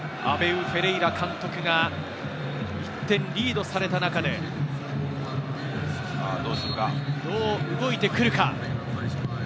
アベウ・フェレイラ監督が１点リードされた中でどう動いて来るか。